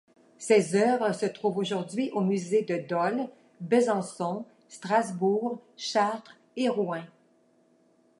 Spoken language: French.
Ses œuvres se trouvent aujourd'hui aux musées de Dole, Besançon, Strasbourg, Chartres et Rouen.